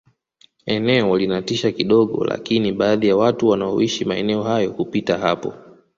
eneo linatisha kidogo lakini baadhi ya watu wanaoishi maeneo hayo hupita hapo